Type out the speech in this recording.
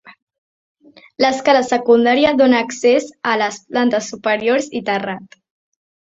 L'escala secundària dóna accés a les plantes superiors i terrat.